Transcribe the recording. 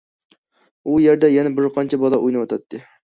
ئۇ يەردە يەنە بىر قانچە بالا ئويناۋاتاتتى.